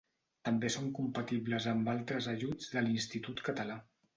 També són compatibles amb altres ajuts de l'Institut Català.